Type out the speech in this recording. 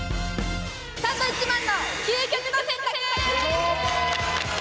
サンドウィッチマンの究極の選択！